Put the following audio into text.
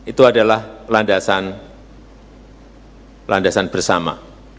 itu adalah landasan bersama